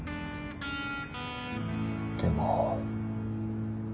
でも。